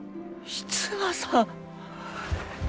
逸馬さん！